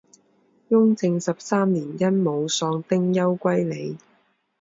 雍正十三年因母丧丁忧归里。